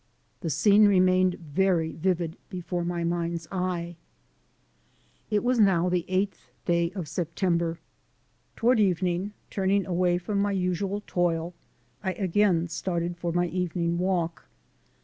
The scene remained very vivid before my mind's eye. It was now the 8th day of September. Toward evening, turning away from my usual toil, I again started for my evening walk.